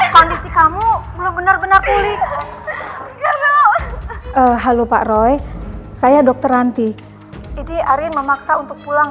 kondisi kamu belum benar benar kulit halo pak roy saya dokter anti diarin memaksa untuk pulang